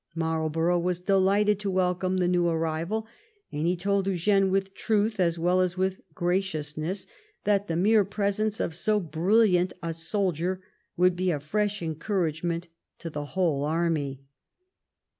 Marlborough was delighted to welcome the new arrival, and he told Eugene, with truth as well as with graciousness, that the mere presence of so brilliant a soldier would be a fresh encouragement to the whole army.